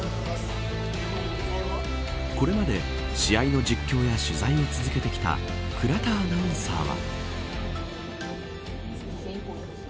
これまで試合の実況や取材を続けてきた倉田アナウンサーは。